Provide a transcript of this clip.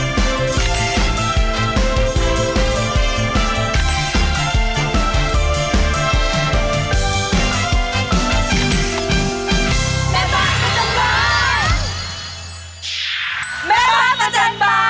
แม่บ้านประจำบานสวัสดีค่ะ